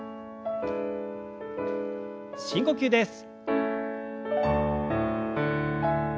深呼吸です。